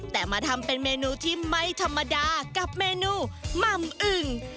แต่มาทำเป็นเมนูที่ไม่ธรรมดากับเมนูหม่ำอึ่ง